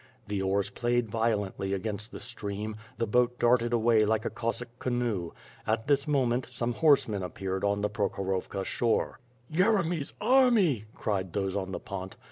The oars played violently against the stream, the boat darted awav like a Cossack canoe. At this moment, some horsemen appeared on the Prokhorovka shore. "Yeremy's army!" cried those on the pont.